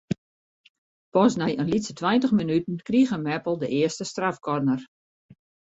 Pas nei in lytse tweintich minuten krige Meppel de earste strafkorner.